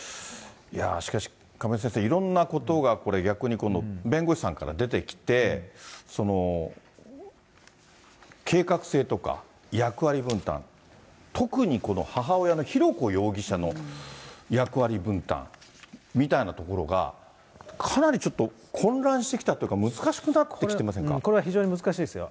いやー、しかし、亀井先生、いろんなことがこれ、逆に弁護士さんから出てきて、計画性とか役割分担、特にこの母親の浩子容疑者の役割分担みたいなところが、かなりちょっと混乱してきたというか、これは非常に難しいですよ。